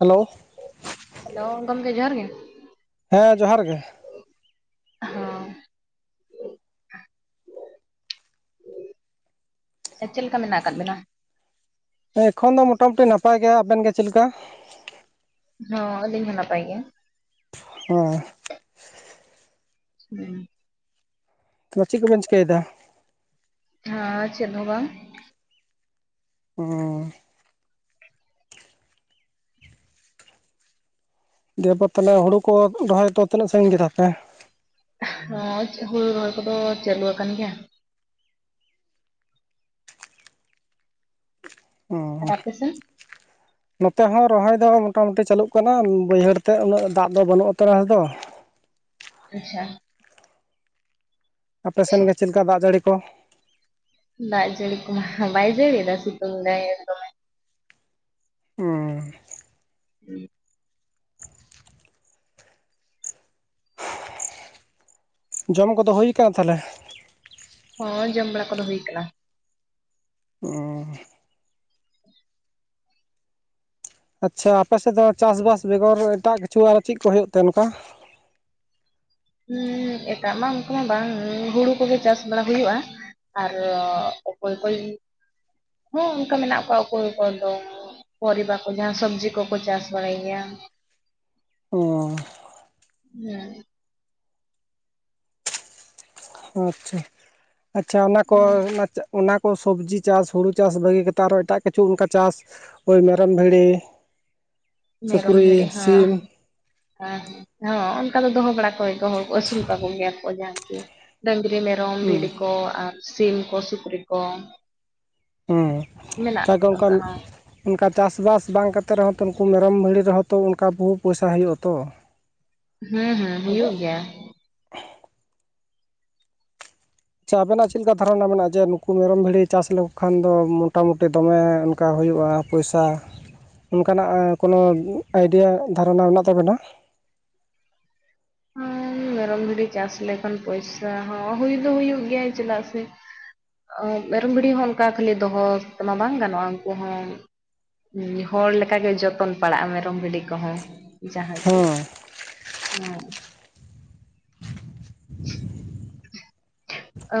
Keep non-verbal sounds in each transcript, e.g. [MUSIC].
Hello hello [UNINTELLIGIBLE] ᱡᱚᱦᱟᱨᱜ ᱜᱮ᱾ ᱦᱮᱸ ᱡᱚᱦᱟᱨ ᱜᱮ᱾ ᱦᱚᱸ ᱪᱮᱫ ᱞᱮᱠᱟ ᱢᱮᱱᱟᱜ ᱟᱠᱟᱫ ᱵᱤᱱᱟ? ᱮᱠᱷᱚᱱ ᱫᱚ ᱢᱚᱴᱟᱢᱩᱴᱤ ᱱᱟᱯᱟᱭ ᱜᱮᱭᱟ, ᱟᱵᱮᱱ ᱜᱮ ᱪᱮᱫ ᱞᱮᱠᱟ? ᱦᱚ ᱟᱹᱞᱤᱧ ᱦᱚᱸ ᱱᱟᱯᱟᱭ ᱜᱮ᱾ [UNINTELLIGIBLE] ᱦᱮᱸ [UNINTELLIGIBLE] ᱛᱚ ᱪᱮᱫ ᱠᱚᱵᱮᱱ ᱪᱤᱠᱟᱹᱭᱮᱫᱟ ᱦᱮᱸ ᱪᱮᱫ ᱦᱚᱸ ᱵᱟᱝ ᱚᱻ ᱫᱤᱭᱚᱯᱚᱨ ᱦᱩᱲᱩ ᱠᱚ ᱨᱚᱦᱚᱭ ᱛᱚ ᱛᱤᱱᱟᱹᱜ ᱥᱟᱺᱜᱤᱧ ᱜᱮᱫᱟ ᱯᱮ ᱦᱮ ᱦᱩᱲᱩ ᱨᱚᱦᱚᱭ ᱠᱚᱫᱚ ᱪᱟᱹᱞᱩ ᱟᱠᱟᱱ ᱜᱮᱭᱟ ᱟᱨ ᱦᱩᱸ ᱟᱯᱮ ᱥᱮᱱ ᱱᱚᱛᱮ ᱦᱚᱸ ᱨᱚᱦᱚᱭ ᱫᱚ ᱢᱚᱴᱟᱢᱩᱴᱤ ᱪᱟᱹᱞᱩᱜ ᱠᱟᱱᱟ ᱵᱟᱹᱭᱦᱟᱹᱲ ᱛᱮᱜ ᱩᱱᱟᱹᱜ ᱫᱟᱜ ᱫᱚ ᱵᱟᱹᱱᱩᱜ ᱩᱫᱟᱹᱨ ᱫᱚ ᱟᱪᱪᱷᱟ ᱟᱯᱮ ᱥᱮᱱ ᱜᱮ ᱪᱮᱫ ᱞᱮᱠᱟ ᱫᱟᱜ ᱡᱟᱹᱲᱤ ᱠᱚ ᱫᱟᱜ ᱡᱟᱹᱲᱤ ᱠᱚᱢᱟ ᱵᱟᱭ ᱡᱟᱲᱤ ᱫᱟ ᱥᱤᱛᱩᱝ ᱫᱟᱭ ᱫᱚᱢᱮ ᱩᱸ [INAUDIBLE] ᱡᱚᱢ ᱠᱚᱫᱚ ᱦᱩᱭ ᱟᱠᱟᱱᱟ ᱛᱟᱦᱚᱞᱮ ᱦᱳᱭ ᱡᱚᱢ ᱵᱟᱲᱟ ᱠᱚᱫᱚ ᱦᱩᱭ ᱠᱟᱱᱟ ᱚ [INAUDIBLE] ᱟᱪᱪᱷᱟ ᱟᱯᱮᱥᱮᱫ ᱫᱚ ᱪᱟᱥᱵᱟᱥ ᱵᱮᱜᱚᱨ ᱮᱴᱟᱜ ᱠᱤᱪᱷᱩ ᱟᱨᱚ ᱪᱮᱫ ᱠᱚ ᱦᱩᱭᱩᱜ ᱛᱮ ᱱᱚᱝᱠᱟ ᱩᱸ ᱮᱴᱟᱜ ᱢᱟ ᱚᱱᱠᱩ ᱢᱟ ᱵᱟᱝ ᱦᱩᱲᱩ ᱠᱚᱜᱮ ᱪᱟᱥ ᱵᱟᱲᱟ ᱦᱩᱭᱩᱜᱼᱟ ᱟᱨ ᱚᱠᱚᱭ ᱠᱚᱭ ᱦᱚᱸ ᱚᱱᱠᱟ ᱢᱮᱱᱟᱜ ᱠᱚᱣᱟ ᱚᱠᱚᱭ ᱠᱚᱫᱚ ᱯᱚᱨᱤᱵᱟ ᱠᱚ ᱡᱟᱦᱟᱸ ᱥᱚᱵᱽᱡᱤ ᱠᱚᱠᱚ ᱪᱟᱥ ᱵᱟᱲᱟᱭ ᱜᱮᱭᱟ ᱚ ᱦᱩᱸ ᱟᱪᱪᱷᱟ ᱟᱪᱪᱷᱟ ᱚᱱᱟ ᱠᱚ ᱦᱮᱸ [UNINTELLIGIBLE] ᱚᱱᱟ ᱠᱚ ᱥᱚᱵᱽᱡᱤ ᱪᱟᱥ ᱦᱩᱲᱩ ᱪᱟᱥ ᱵᱟᱹᱜᱤ ᱠᱟᱛᱮᱫ ᱟᱨᱚ ᱮᱴᱟᱜ ᱠᱤᱪᱷᱩ ᱚᱱᱠᱟ ᱪᱟᱥ ᱳᱭ ᱢᱮᱨᱚᱢ ᱵᱷᱤᱲᱤ [INAUDIBLE] ᱥᱩᱠᱨᱤ ᱥᱤᱢ ᱦᱮ ᱦᱚᱸ ᱚᱱᱠᱟ ᱫᱚᱦᱚ ᱵᱟᱲᱟ ᱠᱚᱜᱮᱭᱟᱠᱚ ᱦᱚᱲ ᱠᱚ ᱟᱹᱥᱩᱞ ᱠᱟᱠᱚ ᱜᱮᱭᱟ ᱠᱚ ᱡᱟᱦᱟᱸ ᱠᱤ ᱰᱝᱨᱤ ᱢᱮ ᱢᱮᱨᱚᱢ ᱵᱷᱤᱴᱤ ᱦᱩᱸ ᱠᱚ ᱟᱨ ᱥᱤᱢ ᱠᱚ ᱥᱩᱠᱨᱤ ᱠᱚ ᱦᱮᱸ ᱢᱮᱱᱟᱜ ᱡᱟᱜᱮ ᱠᱚᱣᱟ ᱚᱱᱠᱟ ᱚᱱᱠᱟᱱ ᱦᱚᱸ ᱚᱱᱠᱟ ᱪᱟᱥᱵᱟᱥ ᱵᱟᱝ ᱠᱟᱛᱮᱫ ᱨᱮᱦᱚᱸ ᱛᱚ ᱩᱱᱠᱩ ᱢᱮᱨᱚᱢ ᱵᱷᱤᱲᱤ ᱨᱮᱦᱚᱸ ᱛᱚ ᱚᱱᱠᱟ ᱵᱩᱦᱩ ᱯᱚᱭᱥᱟ ᱦᱩᱭᱩᱜᱼᱟᱛᱚ ᱦᱮᱸ ᱦᱮᱸ ᱦᱩᱭᱩᱜ ᱜᱮᱭᱟ ᱟᱪᱪᱷᱟ ᱟᱵᱮᱱᱟᱜ ᱪᱮᱫ ᱞᱮᱠᱟ ᱫᱷᱟᱨᱚᱱᱟ ᱢᱮᱱᱟᱜᱼᱟ ᱡᱮ ᱱᱩᱠᱩ ᱢᱮᱨᱚᱢ ᱵᱷᱤᱲᱤ ᱪᱟᱥ ᱞᱮᱠᱚ ᱠᱷᱟᱱ ᱫᱚ ᱢᱚᱴᱟᱢᱩᱴᱤ ᱫᱚᱢᱮ ᱚᱱᱠᱟ ᱦᱩᱭᱩᱜᱼᱟ ᱯᱚᱭᱥᱟ ᱚᱱᱠᱟᱱᱟᱜ ᱠᱳᱱᱳ ᱟᱭᱰᱤᱭᱟ ᱫᱷᱟᱨᱚᱱᱟ ᱢᱮᱱᱟᱜ ᱛᱟᱵᱮᱱᱟ ᱦ ᱢᱮᱨᱚᱢ ᱵᱷᱤᱲᱤ ᱪᱟᱥ ᱞᱮᱠᱷᱟᱱ ᱯᱚᱭᱥᱟ ᱦᱚᱸ ᱦᱩᱭ ᱫᱚ ᱦᱩᱭᱩᱜ ᱜᱮᱭᱟ ᱪᱮᱫᱟᱜ ᱥᱮ ᱢᱮᱨᱚᱢ ᱵᱷᱤᱲᱰᱤ ᱦᱚᱸ ᱚᱱᱠᱟ ᱠᱷᱟᱹᱞᱤ ᱫᱚᱦᱚ ᱛᱮᱢᱟ ᱵᱟᱝ ᱜᱟᱱᱚᱜᱼᱟ ᱩᱱᱠᱩ ᱦᱚᱸ ᱦᱚᱲ ᱞᱮᱠᱟᱜᱮ ᱡᱚᱛᱚᱱ ᱯᱟᱲᱟᱜᱼᱟ ᱢᱮᱨᱚᱢ ᱵᱷᱤᱰᱤ ᱠᱚᱦᱚᱸ [UNINTELLIGIBLE] ᱜᱮ ᱦᱮᱸ ᱦᱚᱸ [INAUDIBLE]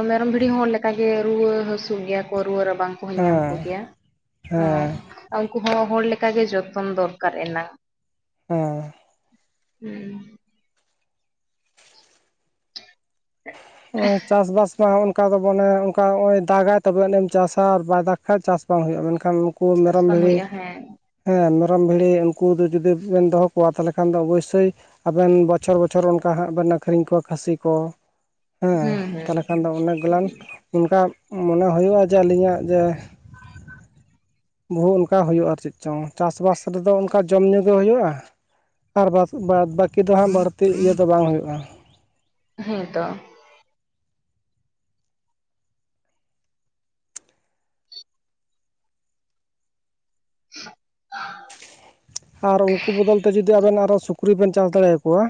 ᱢᱮᱨᱚᱢ ᱵᱷᱤᱲᱤ ᱦᱚᱲ ᱞᱮᱠᱟᱜᱮ ᱨᱩᱣᱟᱹ ᱦᱟᱹᱥᱩᱜ ᱜᱮᱭᱟ ᱠᱚ ᱨᱩᱣᱟᱹ ᱨᱟᱵᱟᱝ ᱠᱚᱦ ᱧᱟᱢ ᱦᱮᱸ ᱠᱚᱜᱮᱭᱟ ᱦᱮᱸ ᱩᱱᱠᱩ ᱦᱚᱸ ᱦᱚᱲ ᱞᱮᱠᱟᱜᱮ ᱡᱚᱛᱚᱱ ᱫᱚᱨᱠᱟᱨ ᱮᱱᱟᱝ ᱦᱮᱸ ᱦᱩᱸ ᱱᱚᱜ ᱪᱟᱥᱵᱟᱥ ᱢᱟ ᱚᱱᱠᱟ ᱫᱚ ᱵᱚᱱᱮ ᱚᱱᱠᱟ ᱱᱚᱜᱼᱚᱭ ᱫᱟᱜᱟᱭ ᱛᱚᱵᱮᱱᱮᱢ ᱪᱟᱥᱟ ᱟᱨ ᱵᱟᱭ ᱫᱟᱜᱽ ᱠᱷᱟᱱ ᱪᱟᱥ ᱵᱟᱝ ᱦᱩᱭᱩᱜᱼᱟ ᱢᱮᱱᱠᱷᱟᱱ ᱠᱩ ᱪᱟᱥ ᱢᱮᱨᱚᱢ ᱵᱟᱝ ᱵᱷᱤᱲᱤ ᱦᱩᱭᱩᱜᱼᱟ ᱦᱮᱸ ᱦᱮᱸ ᱢᱮᱨᱚᱢ ᱵᱷᱤᱲᱤ ᱩᱱᱠᱩ ᱫᱚ ᱡᱩᱫᱤ ᱵᱮᱱ ᱫᱚᱦᱚ ᱠᱚᱣᱟ ᱛᱟᱦᱚᱞᱮ ᱠᱷᱟᱱ ᱫᱚ ᱚᱵᱚᱥᱥᱳᱭ ᱟᱵᱮᱱ ᱵᱚᱪᱷᱚᱨ ᱵᱚᱪᱷᱚᱨ ᱚᱱᱠᱟ ᱦᱟᱸᱜ ᱵᱮᱱ ᱟᱹᱠᱷᱨᱤᱧ ᱠᱚᱣᱟ ᱠᱷᱟᱹᱥᱤ ᱠᱚ ᱦᱮᱸ ᱦᱩᱸ ᱦᱩᱸ ᱛᱟᱦᱚᱞᱮ ᱠᱷᱟᱱ ᱫᱚ ᱚᱱᱮᱠ ᱜᱞᱟᱱ ᱚᱱᱠᱟ ᱢᱚᱱᱮ ᱦᱩᱭᱩᱜᱼᱟ ᱡᱮ ᱟᱹᱞᱤᱧᱟᱜ ᱡᱮ ᱵᱩᱦᱩ ᱚᱱᱠᱟ ᱦᱩᱭᱩᱜᱼᱟ ᱟᱨ ᱪᱮᱫ ᱪᱚᱝ ᱪᱟᱥ ᱵᱟᱥ ᱨᱮᱫᱚ ᱚᱱᱠᱟ ᱡᱚᱢ ᱧᱩ ᱜᱮ ᱦᱩᱭᱩᱜᱼᱟ ᱟᱨ ᱵᱟ ᱵᱟᱫ ᱵᱟᱹᱠᱤ ᱫᱚ ᱦᱟᱸᱜ ᱵᱟᱹᱲᱛᱤ ᱤᱭᱟᱹ ᱫᱚ ᱵᱟᱝ ᱦᱩᱭᱩᱜᱼᱟ ᱦᱮᱸ ᱛᱚ [UNINTELLIGIBLE] ᱟᱨ ᱩᱱᱠᱩ ᱵᱚᱫᱚᱞᱛᱮ ᱛᱮ ᱡᱩᱫᱤ ᱟᱵᱮᱱ ᱟᱨᱚ ᱥᱩᱠ ᱥᱩᱠᱨᱤ ᱵᱮᱱ ᱪᱟᱥ ᱫᱟᱲᱮᱭᱟᱠᱚᱣᱟ᱾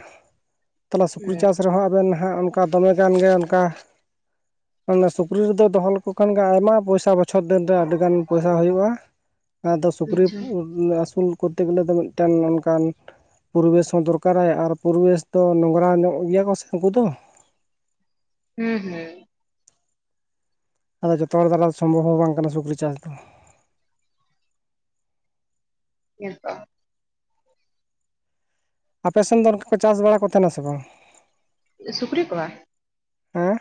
ᱛᱟᱦᱚᱞᱮ ᱥᱩᱠᱨᱤ ᱦᱩᱸ ᱪᱟᱥ ᱨᱮᱦᱚᱸ ᱟᱵᱮᱱ ᱦᱟᱸᱜ ᱚᱱᱠᱟ ᱫᱚᱢᱮᱮᱜᱟᱱ ᱜᱮ ᱚᱱᱠᱟ, ᱟᱱ ᱥᱩᱠᱨᱤ ᱨᱮᱫᱚ ᱫᱚᱦᱚ ᱞᱮᱠᱚ ᱠᱷᱟᱱ ᱜᱮ ᱟᱭᱢᱟ ᱯᱚᱭᱥᱟ ᱵᱟ ᱵᱚᱪᱷᱚᱨ ᱫᱤᱱ ᱨᱮ ᱟᱹᱰᱤ ᱜᱟᱱ ᱯᱚᱭᱥᱟ ᱦᱩᱭᱩᱜᱼᱟ᱾ ᱟᱫᱚ ᱥᱩᱠᱨᱤ ᱟᱪᱪᱷᱟ ᱟᱹᱥᱩᱞ ᱠᱚ ᱛᱮᱜᱞᱮ ᱫᱚ ᱢᱤᱫᱴᱮᱱ ᱚᱱᱠᱟᱱ ᱯᱚᱨᱤᱵᱮᱥ ᱦᱚᱸ ᱫᱚᱨᱠᱟᱨᱟᱭ ᱟᱨ ᱯᱚᱨᱤᱵᱮᱥ ᱫᱚ ᱱᱚᱝᱨᱟ ᱧᱚᱜ ᱜᱮᱭᱟ ᱠᱚ ᱥᱮ ᱩᱱᱠᱩ ᱫᱚ ᱦᱩᱸ ᱦᱩᱸ ᱟᱫᱚ ᱡᱚᱛᱚ ᱦᱚᱲ ᱫᱚ ᱥᱚᱢᱵᱷᱚᱵ ᱦᱚᱸ ᱵᱟᱝ ᱠᱟᱱᱟ ᱥᱩᱠᱨᱤ ᱪᱟᱥ ᱫᱚ᱾ ᱦᱮ ᱛᱚ ᱟᱯᱮ ᱥᱮᱱ ᱫᱚ ᱚᱱᱠᱟ ᱠᱚ ᱪᱟᱥ ᱵᱟᱲᱟ ᱠᱚ ᱛᱟᱦᱮᱱᱟ ᱥᱮ ᱵᱟᱝ? ᱥᱩᱠᱨᱤ ᱠᱚᱣᱟ᱾ ᱦᱮᱸ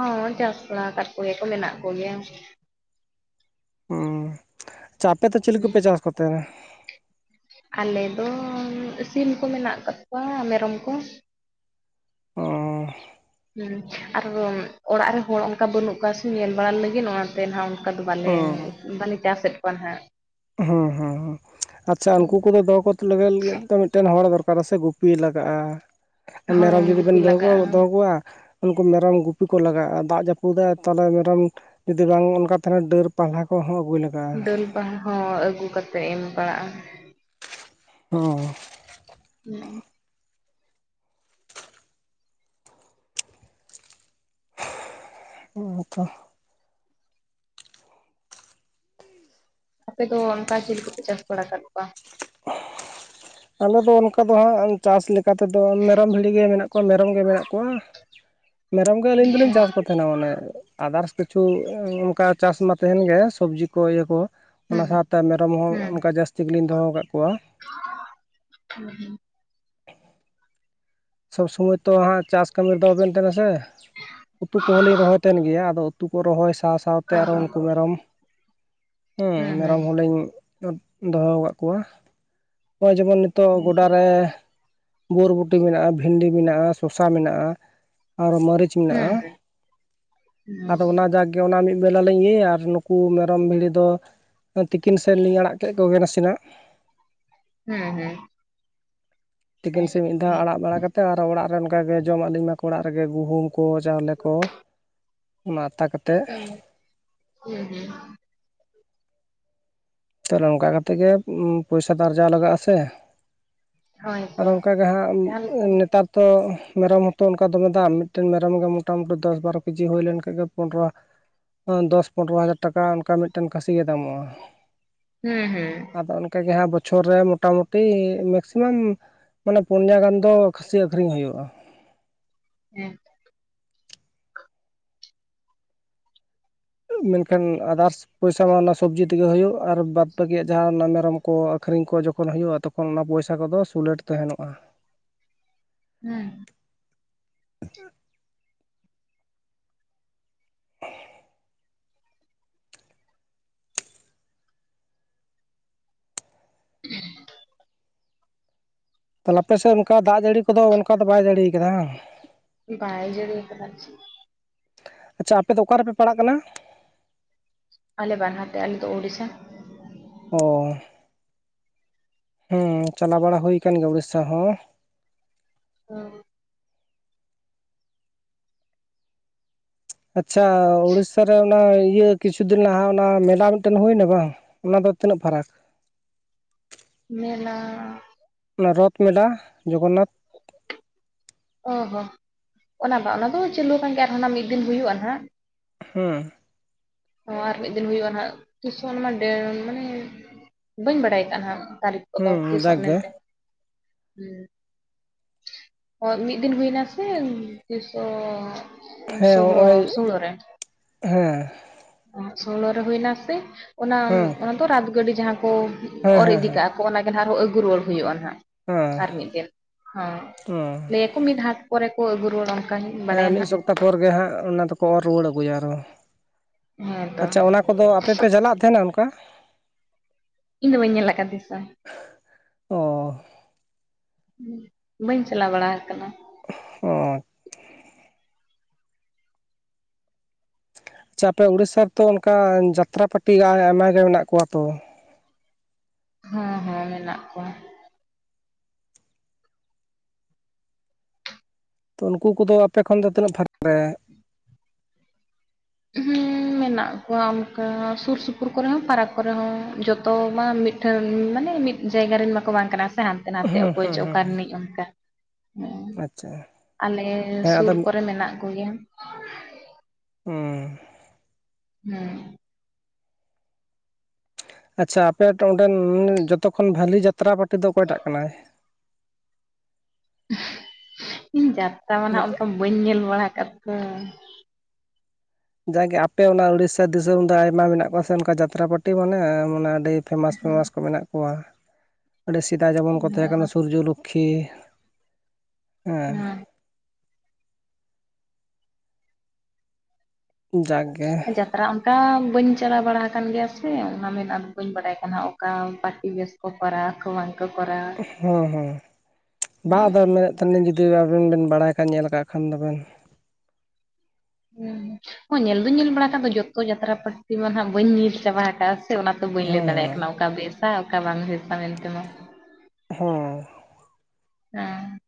ᱦᱚᱸ ᱪᱟᱥ ᱵᱟᱲᱟ ᱟᱠᱟᱫ ᱠᱚᱜᱮ ᱠᱚ ᱢᱮᱱᱟᱜ ᱠᱚᱜᱮᱭᱟ᱾ ᱦᱩᱸ, ᱟᱪᱪᱷᱟ ᱟᱯᱮ ᱫᱚ ᱪᱮᱞᱤ ᱠᱚᱯᱮ ᱪᱟᱥ ᱠᱚᱛᱮ? ᱟᱞᱮ ᱫᱚ ᱥᱤᱢ ᱠᱚ ᱢᱮᱱᱟᱜ ᱟᱠᱟᱫ ᱠᱚᱣᱟ ᱢᱮᱨᱚᱢ ᱠᱚ᱾ ᱚ ᱦᱮᱸ ᱟᱨ ᱚᱲᱟᱜ ᱨᱮ ᱦᱚᱲ ᱚᱱᱠᱟ ᱵᱟᱹᱱᱩᱜ ᱠᱚᱣᱟ ᱥᱮ ᱧᱮᱞ ᱵᱟᱲᱟ ᱞᱟᱹᱜᱤᱫ ᱚᱱᱟᱛᱮ ᱱᱟᱦᱟᱜᱺ ᱚᱱᱠᱟ ᱫᱚ ᱵᱟᱞᱮ ᱦᱩᱸ ᱵᱟᱞᱮ ᱪᱟᱥᱮᱫ ᱠᱚᱣᱟ ᱦᱟᱜ᱾ ᱦᱩᱸ ᱦᱩᱸ ᱟᱪᱪᱷᱟ ᱩᱱᱠᱩ ᱠᱚᱫᱚ ᱫᱚᱦᱚ ᱠᱚ ᱞᱟᱹᱜᱤᱫ ᱞᱟᱹᱜᱤᱫ ᱢᱤᱫᱴᱮᱱ ᱦᱚᱲ ᱫᱚᱨᱠᱟᱨ ᱥᱮ ᱜᱩᱯᱤ ᱞᱟᱜᱟᱜᱼᱟᱺ ᱢᱮᱨᱚᱢ ᱦᱚᱸ ᱡᱩᱫᱤ ᱜᱩᱯᱤ ᱵᱮᱱ ᱫᱚᱦᱚ ᱞᱟᱜᱟᱜᱼᱟ ᱫᱚᱦᱚ ᱠᱚᱣᱟ ᱩᱱᱠᱩ ᱢᱮᱨᱚᱢ ᱜᱩᱯᱤ ᱠᱚ ᱞᱟᱜᱟᱜᱼᱟ ᱫᱟᱜ ᱡᱟᱹᱯᱩᱫᱟᱭ ᱛᱟᱦᱚᱞᱮ ᱢᱮᱨᱚᱢ ᱡᱩᱫᱤ ᱵᱟᱝ ᱚᱱᱠᱟ ᱛᱟᱦᱮᱱᱟ ᱰᱟᱹᱨ ᱯᱟᱞᱦᱟ ᱠᱚᱦᱚᱸ ᱟᱹᱜᱩᱭᱮᱟᱜ ᱰᱟᱹᱞ ᱵᱟᱦᱟ ᱦᱚᱸ ᱟᱹᱜᱩ ᱠᱟᱛᱮᱫ ᱮᱢ ᱯᱟᱲᱟᱜᱼᱟ᱾ ᱦᱩᱸ ᱦᱩᱸ ᱩ ᱛᱚ ᱟᱯᱮ ᱫᱚ ᱚᱱᱠᱟ ᱪᱤᱞᱤ ᱠᱚᱯᱮ ᱪᱟᱥ ᱵᱟᱲᱟ ᱟᱠᱟᱫ ᱠᱚᱣᱟ? ᱟᱞᱮ ᱫᱚ ᱚᱱᱠᱟ ᱫᱚ ᱦᱟᱸᱜ ᱪᱟᱥ ᱞᱮᱠᱟᱛᱮᱫᱚ ᱢᱮᱨᱚᱢ ᱵᱷᱤᱲᱤ ᱜᱮ ᱢᱮᱱᱟᱜ ᱠᱚᱣᱟ ᱢᱮᱨᱚᱢ ᱜᱮ ᱢᱮᱱᱟᱜ ᱠᱚᱣᱟ᱾ ᱢᱮᱨᱚᱢ ᱜᱮ ᱟᱹᱞᱤᱧ ᱫᱚᱞᱤᱧ ᱪᱟᱥ ᱠᱚ᱾ ᱛᱟᱦᱮ ᱢᱟᱱᱮ ᱟᱫᱟᱨᱥ ᱠᱤᱪᱷᱩ ᱚᱱᱠᱟ ᱪᱟᱥ ᱢᱟ ᱛᱟᱦᱮᱱ ᱜᱮ ᱥᱚᱵᱽᱡᱤ ᱠᱚ ᱤᱭᱟᱹ ᱠᱚ᱾ ᱚᱱᱟ ᱦᱩᱸ ᱥᱟᱶᱛᱮ ᱢᱮᱨᱚᱢ ᱦᱚᱸ ᱚᱱᱠᱟ ᱡᱟᱹᱥᱛᱤ ᱜᱮᱞᱤᱧ ᱫᱚᱦᱚ ᱟᱠᱟᱫ ᱠᱚᱣᱟ᱾ ᱦᱩᱸ ᱦᱩᱸ ᱥᱚᱵᱽ ᱥᱚᱢᱚᱭ ᱛᱚ ᱦᱟᱜ ᱪᱟᱥ ᱠᱟᱹᱢᱤ ᱨᱮᱫᱚ ᱟᱵᱮᱱ ᱛᱟᱦᱮᱱᱟ ᱥᱮ ᱩᱛᱩ ᱠᱚᱦᱚ ᱞᱤᱧ ᱨᱚᱦᱚᱭ ᱜᱮᱭᱟ ᱟᱫᱚ ᱩᱛᱩ ᱠᱚ ᱨᱚᱦᱚᱭ ᱥᱟᱶ ᱥᱟᱶᱛᱮ ᱚ ᱟᱨᱦᱚᱸ ᱩᱱᱠᱩ ᱦᱚᱸ ᱢᱮᱨᱚᱢ ᱦᱮ ᱦᱩᱸ ᱦᱩᱸ ᱢᱮᱨᱚᱢ ᱦᱚᱞᱤᱧ ᱫᱚᱦᱚ ᱠᱟᱜ ᱠᱚᱣᱟ ᱱᱚᱜᱼᱚᱭ ᱡᱮᱢᱚᱱ ᱱᱤᱛᱚᱜ ᱦᱩᱸ ᱜᱚᱰᱟᱨᱮ ᱵᱳᱚᱨᱵᱩᱴᱤ ᱢᱮᱱᱟᱜᱼᱟ, ᱵᱷᱤᱱᱰᱤ ᱢᱮᱱᱟᱜᱼᱟ, ᱥᱚᱥᱟ ᱢᱮᱱᱟᱜᱼᱟ ᱟᱨ ᱢᱟᱹᱨᱤᱪ ᱦᱩᱸ ᱢᱮᱱᱟᱜᱼᱟ᱾ ᱦᱩᱸ ᱟᱫᱚ ᱚᱱᱟ ᱡᱟ ᱚᱱᱟ ᱢᱤᱫ ᱵᱮᱞᱟ ᱞᱤᱧ ᱤᱭᱟᱹᱭᱟ ᱟᱨ ᱱᱩᱠᱩ ᱢᱮᱨᱚᱢ ᱵᱷᱤᱲᱤ ᱫᱚ ᱛᱤᱠᱤᱱ ᱥᱮᱱ ᱞᱤᱧ ᱟᱲᱟᱜ ᱠᱮᱫ ᱠᱚᱜᱮ ᱱᱟᱥᱮᱱᱟᱜ ᱦᱮᱸ ᱦᱮᱸ ᱛᱤᱠᱤᱱ ᱥᱮ ᱢᱤᱫ ᱫᱷᱟᱣ ᱟᱲᱟᱜ ᱵᱟᱲᱟ ᱠᱟᱛᱮᱫ ᱟᱨ ᱚᱲᱟᱜ ᱨᱮ ᱚᱱᱠᱟᱜᱮ ᱡᱚᱢ ᱟᱹᱫᱧᱟᱠᱚ ᱚᱲᱟᱜ ᱨᱮᱜᱮ ᱜᱩᱦᱩᱢ ᱠᱚ, ᱪᱟᱣᱞᱮ ᱠᱚ, ᱚᱱᱟ ᱟᱛᱟ ᱠᱟᱛᱮ᱾ ᱦᱮᱸ ᱦᱮᱸ ᱛᱟᱦᱚᱞᱮ ᱱᱚᱝᱠᱟ ᱠᱟᱛᱮ ᱜᱮ ᱯᱚᱭᱥᱟ ᱫᱚ ᱟᱨᱡᱟᱣ ᱞᱟᱜᱟᱜᱼᱟ ᱥᱮ᱾ ᱦᱳᱭ ᱟᱨ ᱛᱚ ᱚᱱᱠᱟ ᱜᱮ ᱦᱟᱸᱜ ᱡᱟᱦᱟᱸ ᱞᱮᱠᱟ ᱦᱩᱸ ᱱᱮᱛᱟᱨ ᱛᱚ ᱢᱮᱨᱚᱢ ᱦᱚᱛᱚ ᱚᱱᱠᱟ ᱫᱚᱢᱮ ᱫᱟᱢ ᱢᱤᱫᱴᱮᱱ ᱢᱮᱨᱚᱢ ᱜᱮ ᱢᱚᱴᱟᱢᱩᱴᱤ ᱫᱚᱥ ᱵᱟᱨᱚ ᱠᱮᱡᱤ ᱦᱩᱭ ᱞᱮᱱᱠᱷᱟᱱ ᱜᱮ ᱯᱚᱱᱨᱚ ᱫᱚᱥ ᱯᱚᱱᱨᱚ ᱦᱟᱡᱟᱨ ᱴᱟᱠᱟ ᱚᱱᱠᱟ ᱢᱤᱫᱴᱮᱱ ᱠᱟᱥᱤ ᱜᱮ ᱫᱟᱢᱚᱜᱼᱟ᱾ ᱦᱮᱸ ᱦᱮᱸ ᱟᱫᱚ ᱚᱱᱠᱟᱜᱮ ᱦᱟᱸᱜ ᱵᱚᱪᱷᱚᱨ ᱨᱮ ᱢᱚᱴᱟᱢᱩᱴᱤ ᱢᱮᱠᱥᱤᱢᱟᱢ ᱢᱟᱱᱮ ᱯᱩᱱᱭᱟ ᱜᱟᱱ ᱫᱚ ᱠᱷᱟᱹᱥᱤ ᱟᱹᱠᱷᱨᱤᱧ ᱦᱩᱭᱩᱜᱼᱟ ᱦᱮᱸ ᱢᱮᱱᱠᱷᱟᱱ ᱟᱫᱟᱥ ᱯᱚᱭᱥᱟ ᱢᱟ ᱚᱱᱟ ᱥᱚᱵᱽᱡᱤ ᱛᱮᱜᱮ ᱦᱩᱭᱩᱜ ᱟᱨ ᱵᱟᱫ ᱵᱟᱹᱠᱤᱭᱟᱜ ᱡᱟᱦᱟᱸ ᱢᱮᱨᱚᱢ ᱠᱚ ᱟᱹᱷᱨᱤᱧ ᱠᱚ ᱡᱚᱠᱷᱚᱱ ᱦᱩᱭᱩᱜᱼᱟ ᱛᱚ [UNINTELLIGIBLE] [UNINTELLIGIBLE] ᱚᱱ ᱚᱱᱟ ᱯᱚᱭᱥᱟ ᱠᱚᱫᱚ ᱥᱩᱞᱮᱴ ᱛᱟᱦᱮᱸᱱᱚᱜᱼᱟ ᱦᱮᱸ ᱛᱟᱦᱞᱮ ᱟᱯᱮᱥᱮᱫ ᱚᱱᱠᱟ ᱫᱟᱜ ᱡᱟᱹᱲᱤ ᱠᱚᱫᱚ ᱚᱱᱠᱟ ᱫᱚ ᱵᱟᱭ ᱡᱟᱹᱲᱤ ᱟᱠᱟᱫᱟ ᱵᱟᱭ ᱡᱟᱹᱲᱤ ᱟᱠᱟᱫᱟ ᱟᱪᱪᱷᱟ ᱟᱯᱮ ᱫᱚ ᱚᱠᱟ ᱨᱮᱯᱮ ᱯᱟᱲᱦᱟᱜ ᱠᱟᱱᱟ ᱟᱞᱮ ᱵᱟᱨᱦᱟᱴᱮ ᱟᱞᱮᱫᱚ ᱩᱰᱤᱥᱟ ᱚ ᱦᱩᱸ ᱪᱟᱞᱟᱣ ᱵᱟᱲᱟ ᱦᱩᱭ ᱟᱠᱟᱱ ᱜᱮᱭᱟ ᱩᱲᱤᱥᱟ ᱦᱚᱸ [UNINTELLIGIBLE] ᱟᱪᱪᱷᱟ ᱩᱲᱤᱥᱟ ᱨᱮ ᱚᱱᱟ ᱤᱭᱟᱹ ᱠᱤᱪᱷᱩ ᱫᱤᱱ ᱞᱟᱦᱟ ᱚᱱᱟ ᱢᱮᱞᱟ ᱢᱤᱫᱴᱟᱝ ᱦᱩᱭᱮᱱᱟ ᱵᱟᱝ ᱚᱱᱟ ᱫᱚ ᱛᱤᱱᱟᱹᱜ ᱯᱷᱟᱨᱟᱠ ᱢᱮᱞᱟ [UNINTELLIGIBLE] ᱚᱱᱟ ᱨᱚᱛᱷ ᱢᱮᱞᱟ ᱡᱚᱜᱚᱱᱱᱟᱛᱷ ᱚ ᱦᱚ ᱚᱱᱟ ᱵᱟᱝ ᱚᱱᱟ ᱫᱚ ᱪᱟᱹᱞᱩ ᱟᱠᱟᱱ ᱜᱮᱭᱟ ᱟᱨ ᱦᱚᱸ ᱱᱟᱦᱟᱜ ᱢᱤᱫ ᱫᱤᱱ ᱦᱩᱭᱩᱜᱼᱟ ᱱᱟᱦᱟᱜ ᱚᱸ [UNINTELLIGIBLE] ᱚᱸ ᱟᱨ ᱢᱤᱫ ᱫᱤᱱ ᱦᱩᱭᱩᱜᱼᱟ ᱱᱟᱦᱟᱜ ᱛᱤᱥ ᱪᱚ ᱚᱱᱟ ᱢᱟ ᱰᱮ ᱢᱟᱱᱮ ᱵᱟᱹᱧ ᱵᱟᱲᱟᱭ ᱟᱠᱟᱟᱜᱼᱟ ᱱᱟᱦᱟᱜ ᱛᱟᱨᱤᱠᱷ, [UNINTELLIGIBLE] ᱠᱚᱫᱚ ᱦᱩᱸ ᱛᱤᱥᱚᱜ ᱡᱟᱠᱜᱮ ᱢᱮᱱᱛᱮᱱ ᱦᱳᱭ ᱢᱤᱫ ᱫᱤᱱ ᱦᱩᱭᱱᱟ ᱥᱮ ᱛᱤᱥᱚᱻᱜ ᱦᱮᱸ ᱱᱚᱜᱼᱚᱭ ᱦᱮᱸ [UNINTELLIGIBLE] ᱨᱮ ᱦᱩᱭ ᱱᱟ ᱥᱮ ᱚᱱᱟ ᱦᱮᱸ ᱚᱱᱟ ᱫᱚ ᱨᱟᱛ ᱜᱟᱹᱰᱤ ᱡᱟᱦᱟᱸ ᱠᱚ ᱦᱮᱸ ᱚᱨ ᱦᱮᱸ ᱤᱫᱤ ᱦᱮᱸ ᱠᱟᱜ ᱟ᱾ ᱚᱱᱟ ᱜᱮ ᱱᱟᱦᱟᱸᱜ ᱟᱨᱦᱚᱸ ᱟᱹᱜᱩ ᱨᱩᱣᱟᱹᱲ ᱦᱩᱭᱩᱜᱼᱟ ᱱᱟᱦᱟᱜ ᱦᱮᱸ ᱟᱨ ᱢᱤᱫ ᱫᱤᱱ ᱦᱚᱸ ᱦᱮᱸ ᱞᱮᱭ [UNINTELLIGIBLE] ᱢᱤᱫ ᱦᱟᱴ ᱯᱚᱨᱮ ᱠᱚ ᱟᱹᱜᱩ ᱨᱩᱣᱟᱹᱲᱟ ᱦᱮᱸ ᱢᱤᱫ ᱥᱚᱯᱛᱟ ᱯᱚᱨ ᱜᱮ ᱦᱟᱸᱜ ᱚᱱᱟ ᱫᱚᱠᱚ ᱚᱨ ᱨᱩᱣᱟᱹᱲ ᱟᱹᱜᱩᱭᱟ ᱟᱨ ᱦᱮᱸ [UNINTELLIGIBLE] ᱛᱚ ᱟᱪᱪᱷᱟ ᱚᱱᱟ ᱟᱫᱚ ᱟᱯᱮ ᱯᱮ ᱪᱟᱞᱟᱜ ᱛᱟᱦᱮᱸᱱᱟ ᱚᱱᱠᱟ? ᱫᱚ ᱵᱟᱹᱧ ᱧᱮᱞ ᱟᱠᱟᱫᱮ ᱚ [UNINTELLIGIBLE] ᱵᱟᱹᱧ ᱪᱟᱞᱟᱣ ᱵᱟᱲᱟ ᱦᱟᱠᱟᱱᱟ, ᱚᱻ ᱟᱪᱪᱷᱟ ᱟᱯᱮ ᱩᱲᱤᱥᱟ ᱨᱮᱛᱚ ᱚᱱᱠᱟ ᱡᱟᱛᱨᱟ ᱯᱟᱹᱴᱤ ᱟᱭᱢᱟ ᱜᱮ ᱢᱮᱱᱟᱜ ᱠᱚᱣᱟ ᱛᱚ ᱦᱚᱸ ᱦᱚᱸ ᱢᱮᱱᱟᱜ ᱠᱚᱣᱟ᱾ ᱩᱱᱠᱩ ᱠᱚᱫᱚ ᱟᱯᱮ ᱠᱷᱚᱱ ᱫᱚ ᱛᱤᱱᱟᱹᱜ ᱯᱷᱟᱨᱟᱠ ᱨᱮ? ᱦᱩᱸᱻ ᱢᱮᱱᱟᱜ ᱠᱚᱣᱟ ᱚᱱᱠᱟ ᱥᱩᱨ ᱥᱩᱯᱩᱨ ᱠᱚᱨᱮ ᱦᱚᱸ ᱯᱷᱟᱨᱟᱠ ᱠᱚᱨᱮ ᱦᱚᱸ ᱡᱚᱛᱚ ᱢᱟ ᱢᱤᱫ, [UNINTELLIGIBLE] ᱢᱟᱱᱮ ᱢᱤᱫ ᱡᱟᱭᱜᱟ ᱨᱮᱱ ᱢᱟᱠᱚ ᱵᱟᱝ ᱠᱟᱱᱟ ᱥᱮ ᱦᱟᱱ [UNINTELLIGIBLE] [UNINTELLIGIBLE] ᱦᱩᱸ ᱚᱠᱚᱭ ᱦᱩᱸ ᱪᱚ ᱚᱠᱟ ᱦᱩᱸ ᱨᱤᱱᱤᱡ ᱚᱱᱠᱟ [UNINTELLIGIBLE] ᱟᱪᱪᱷᱟ ᱦᱮᱸ ᱟᱞᱮᱻᱥᱩᱨ ᱟᱫᱚ ᱠᱚᱨᱮ ᱢᱮᱱᱟᱜ ᱠᱚᱜᱮᱭᱟ᱾ [UNINTELLIGIBLE] [UNINTELLIGIBLE] ᱟᱪᱪᱷᱟ ᱟᱯᱮ [UNINTELLIGIBLE] ᱚᱸᱰᱮᱱ ᱡᱚᱛᱚ ᱠᱷᱚᱱ ᱵᱷᱟᱞᱤ ᱡᱟᱛᱨᱟ ᱯᱟᱹᱴᱤ ᱫᱚ ᱚᱠᱚᱭ ᱴᱟᱜ ᱠᱟᱱᱟᱭ? [UNINTELLIGIBLE] ᱤᱧ ᱡᱟᱛᱛᱟ ᱢᱟ ᱦᱟᱸᱜ ᱚᱱᱠᱟ ᱵᱟᱹᱧ ᱧᱮᱞ ᱵᱟᱲᱟ ᱠᱟᱫ ᱛᱟᱠᱚ, ᱡᱟ ᱜᱮ ᱟᱯᱮ ᱚᱱᱟ ᱩᱲᱤᱥᱟ ᱫᱤᱥᱚᱢ ᱫᱚ ᱟᱭᱢᱟ ᱢᱮᱱᱟᱜ ᱠᱚᱣᱟ ᱥᱮ ᱚᱱᱠᱟ ᱡᱟᱛᱨᱟ ᱯᱟᱹᱴᱤ ᱢᱟᱱᱮ ᱢᱟᱱᱮ ᱟᱹᱰᱤᱻ ᱯᱷᱮᱢᱟᱥ ᱯᱷᱮᱢᱟᱥ ᱠᱚ ᱢᱮᱱᱟᱜ ᱠᱚᱣᱟ ᱟᱹᱰᱤ ᱥᱮᱫᱟᱭ ᱡᱮᱢᱚᱱ ᱠᱚ ᱛᱟᱦᱮ ᱠᱟᱱᱟ ᱥᱩᱨᱡᱩᱞᱩᱠᱷ [UNINTELLIGIBLE] [UNINTELLIGIBLE] [UNINTELLIGIBLE] ᱡᱟᱜᱮ [UNINTELLIGIBLE] [UNINTELLIGIBLE] ᱚᱱᱠᱟ ᱵᱟᱹᱧ ᱪᱟᱞᱟᱣ ᱵᱟᱲᱟ ᱦᱟᱠᱟᱱ ᱜᱮᱭᱟ ᱥᱮ ᱚᱱᱟ ᱢᱮᱱ ᱟᱫᱚ ᱵᱟᱹᱧ ᱵᱟᱲᱟᱭᱟᱠᱟᱜ [UNINTELLIGIBLE] ᱚᱠᱟ ᱯᱟᱹᱴᱤ ᱵᱮᱥ [UNINTELLIGIBLE] ᱵᱟᱝ, [UNINTELLIGIBLE] ᱠᱚᱨᱟᱣ [UNINTELLIGIBLE] ᱦᱮᱸ ᱦᱮᱸ ᱵᱟᱝ ᱟᱫᱚ ᱢᱮᱱᱮᱫ, ᱛᱟᱱᱞᱤ ᱡᱩᱫᱤ ᱟᱵᱮᱱ ᱵᱮᱱ ᱵᱟᱲᱟᱭ ᱠᱷᱟᱡ ᱧᱮᱞ ᱟᱠᱟᱜ ᱠᱷᱟᱱ ᱫᱚᱵᱮᱱ, ᱦᱮᱸ ᱦᱚᱸ ᱧᱮᱞ ᱫᱩᱧ ᱧᱮᱞ ᱵᱟᱲᱟ ᱟᱠᱟᱜ ᱫᱚ ᱡᱚᱛᱚ ᱡᱟᱛᱨᱟ ᱯᱟᱹᱴᱤ ᱢᱟ ᱦᱟᱸᱜ ᱵᱟᱹᱧ ᱧᱮᱞ ᱪᱟᱵᱟ ᱠᱟᱜ ᱟ ᱥᱮ ᱚᱱᱟᱛᱮ, ᱫᱚ ᱵᱟᱹᱧ ᱞᱟᱹᱭ ᱫᱟᱲᱮᱭᱟᱜ ᱦᱮᱸ ᱠᱟᱱᱟ ᱚᱠᱟ ᱵᱮᱥᱟ ᱚᱠᱟ ᱵᱟᱝ ᱵᱮᱥᱟ ᱢᱮᱱᱛᱮ ᱢᱟ, ᱦᱮᱸ ᱦᱮᱸ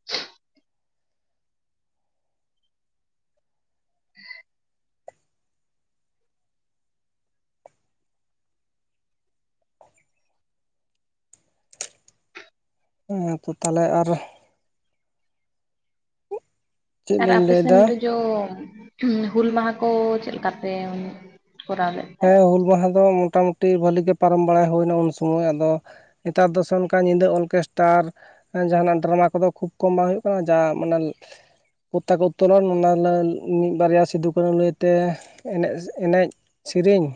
[INAUDIBLE] ᱦᱮᱸ ᱛᱚ ᱛᱟᱦᱚᱞᱮ ᱟᱨ ᱪᱮᱫ ᱟᱨ ᱞᱤᱧ ᱟᱯᱮ ᱥᱮᱱ ᱞᱟᱹᱭᱫᱟ ᱨᱮ ᱡᱚ ᱦᱩᱞ ᱢᱟᱦᱟ ᱠᱚ ᱪᱮᱫ ᱞᱮᱠᱟ ᱯᱮ ᱠᱚᱨᱟᱣ ᱞᱮᱫ-ᱟ? ᱦᱮᱸ ᱦᱩᱞ ᱢᱟᱦᱟ ᱫᱚ ᱢᱚᱴᱟ ᱢᱩᱴᱤ ᱵᱷᱟᱹᱞᱤ ᱜᱮ ᱯᱟᱨᱚᱢ ᱵᱟᱲᱟ ᱦᱩᱭ ᱮᱱᱟ ᱩᱱ ᱥᱚᱢᱚᱭ ᱟᱫᱚ ᱱᱮᱛᱟᱨ ᱫᱚ ᱥᱮ ᱚᱱᱠᱟ ᱧᱤᱫᱟᱹ ᱚᱞᱠᱮᱥᱴᱟᱨ ᱡᱟᱦᱟᱱᱟᱜ ᱰᱨᱟᱢᱟ ᱠᱚᱫᱚ ᱠᱷᱩᱵ ᱠᱚᱢ ᱵᱟᱝ ᱦᱩᱭᱩᱜ ᱠᱟᱱᱟ ᱡᱟ ᱢᱟᱱᱮ ᱯᱛᱛᱟ ᱠᱚ ᱩᱛ ᱛᱚᱞᱚᱱ ᱚᱱᱟ ᱞᱟᱹ ᱢᱤᱫ ᱵᱟᱨᱮᱭᱟ ᱥᱤᱫᱷᱩ ᱠᱟᱹᱱᱩ ᱞᱟᱹᱭᱛᱮ ᱮᱱᱮᱡ ᱮᱱᱮᱡ, ᱥᱨᱮᱤᱧ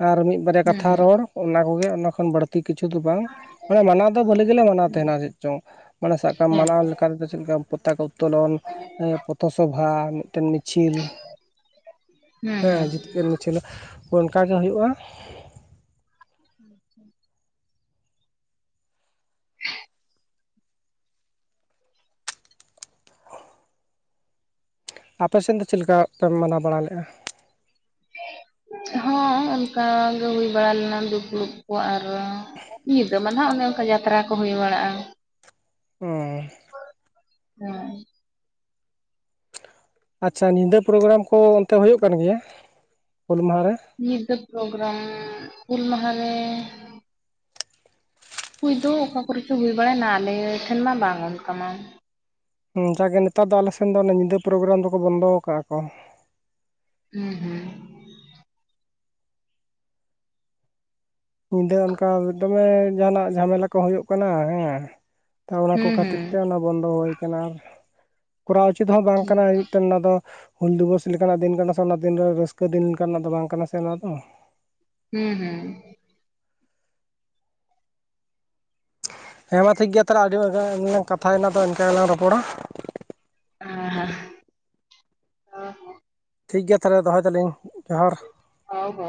ᱟᱨ ᱢᱤᱫ ᱵᱟᱨᱮᱭᱟ ᱦᱩᱸ ᱠᱟᱛᱷᱟ ᱦᱩᱸ ᱨᱚᱲ ᱚᱱᱟ ᱠᱚᱜᱮ ᱚᱱᱟ ᱠᱷᱚᱱ ᱵᱟᱹᱲᱛᱤ ᱠᱤ ᱠᱤᱪᱷᱩ ᱫᱚ ᱵᱟᱝ ᱢᱟᱱᱮ ᱢᱟᱱᱟᱣ ᱫᱚ ᱵᱷᱟᱹᱞᱤ ᱜᱮᱞᱮ ᱢᱟᱱᱟᱣ ᱛᱟᱦᱮᱱᱟ ᱪᱮᱫ ᱪᱚᱝ ᱢᱟᱱᱮ ᱥᱟᱵ ᱠᱟᱜ ᱠᱟᱢ ᱦᱮᱸ ᱢᱟᱱᱟᱣ ᱞᱮᱠᱟ, ᱚᱠᱟ ᱨᱮᱫᱚ ᱪᱮᱫ ᱞᱮᱠᱟ ᱯᱚᱛᱟᱠᱟ ᱩᱛᱛᱳᱞᱚᱱ ᱯᱚᱛᱚ ᱥᱚᱵᱷᱟ ᱢᱤᱫᱴᱮᱱ ᱢᱤᱫ ᱢᱤᱪᱷᱤᱞ ᱦᱩᱸ ᱦᱩᱸ ᱦᱮᱸ ᱡᱤᱛᱠᱟᱹᱨ ᱢᱤᱪᱷᱤᱞ ᱚᱱᱠᱟᱜ ᱜᱮ ᱦᱩᱭᱩᱜᱼᱟ ᱟᱪᱮ [UNINTELLIGIBLE] ᱟᱯᱮᱥᱮᱫ ᱫᱚ ᱪᱮᱫ ᱞᱮᱠᱟ ᱯᱮ ᱢᱟᱱᱟᱣ ᱵᱟᱲᱟ ᱞᱮᱫᱼᱟ ᱦᱚᱸ ᱚᱱᱠᱟᱜᱮ ᱦᱩᱭ ᱵᱟᱲᱟ ᱞᱮᱱᱟ ᱫᱩᱯᱲᱩᱵ ᱠᱚ ᱟᱨᱚ ᱧᱤᱫᱟᱹ ᱢᱟ ᱱᱟᱦᱟᱜ ᱚᱱᱮ ᱚᱱᱠᱟ ᱡᱟᱛᱨᱟ ᱠᱚ ᱦᱩᱭ ᱵᱟᱲᱟᱜᱼᱟ ᱦᱩᱸ ᱦᱮᱸ ᱟᱪᱪᱷᱟ ᱧᱤᱫᱟᱹ ᱯᱨᱳᱜᱨᱟᱢ ᱠᱚ ᱚᱱᱛᱮ ᱦᱩᱭᱩᱜ ᱠᱟᱱ ᱜᱮᱭᱟ ᱦᱩᱞ ᱢᱟᱦᱟ ᱨᱮ ᱧᱤᱫᱟᱹ ᱯᱨᱳᱜᱨᱟᱢ ᱦᱩᱞ ᱢᱟᱦᱟᱨᱮ ᱦᱩᱭ ᱫᱚ ᱚᱠᱟ ᱠᱚᱨᱮᱪᱚ ᱦᱩᱭ ᱵᱟᱲᱟᱭ ᱱᱟ ᱟᱞᱮ ᱴᱷᱮᱱ ᱢᱟ ᱵᱟᱝ ᱚᱱᱠᱟ ᱢᱟ, ᱡᱟᱜᱮ ᱱᱮᱛᱟᱨ ᱫᱚ ᱟᱞᱮᱥᱱ ᱫᱚ ᱚᱱᱮ ᱧᱤᱫᱟᱹ ᱯᱨᱳᱜᱨᱟᱢ ᱫᱚᱠᱚ ᱵᱚᱱᱫᱚ ᱟᱠᱟᱜᱼᱟ ᱠᱚ ᱦᱩᱸ ᱦᱩᱸ ᱧᱤᱫᱟᱹ ᱚᱱᱠᱟ ᱫᱚᱢᱮ ᱡᱟᱦᱱᱟᱜ ᱡᱷᱟᱢᱮᱞᱟ ᱠᱚ ᱦᱩᱭᱩᱜ ᱠᱟᱱᱟ ᱦᱮᱸ ᱛᱚ ᱚᱱᱟ ᱠᱚ ᱠᱷᱟᱹᱛᱤᱨ ᱛᱮ ᱚᱱᱟ ᱵᱚᱱᱫᱚ ᱦᱩᱭ ᱠᱟᱱᱟ ᱟᱨ ᱠᱚᱨᱟᱣ ᱩᱪᱤᱛ ᱦᱚᱸ ᱵᱟᱝ ᱠᱟᱱᱟ ᱢᱤᱫᱴᱮᱱ ᱚᱱᱟ ᱫᱚ ᱦᱩᱞ ᱫᱤᱵᱚᱥ ᱞᱮᱠᱟᱱᱟᱜ ᱫᱤᱱ ᱠᱟᱱᱟ ᱥᱮ ᱚᱱᱟ ᱫᱤᱱ ᱨᱮ ᱨᱟᱹᱥᱠᱟᱹ ᱫᱤᱱ ᱞᱮᱠᱟᱱᱟᱜ ᱫᱚ ᱵᱟᱝ ᱠᱟᱱᱟ ᱥᱮ ᱚᱱᱟ ᱫᱚ ᱦᱮᱸ ᱦᱮᱸ ᱦᱮᱸ ᱢᱟ ᱴᱷᱤᱠ ᱜᱮᱭᱟ ᱛᱟᱦᱚᱞᱮ ᱟᱹᱰᱤᱟᱱᱞᱟᱝ ᱠᱟᱛᱷᱮᱱᱟᱫᱚ ᱤᱱᱠᱟ ᱜᱮᱞᱟᱝ ᱨᱚᱯᱚᱲᱟ [UNINTELLIGIBLE] ᱴᱷᱤᱠ ᱜᱮᱭᱟ ᱛᱟᱦᱚᱞᱮ ᱫᱚᱦᱚᱭ ᱫᱟᱞᱤᱧ ᱡᱚᱦᱟᱨ ᱦᱚ ᱦᱳ